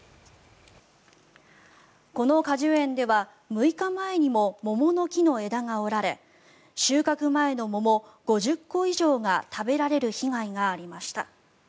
この果樹園では６日前にも桃の木の枝が折られ収穫前の桃５０個以上が食べられる被害がありました。